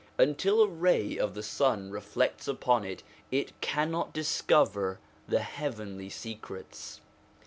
Until a ray of the sun reflects upon it, it cannot discover the heavenly secrets.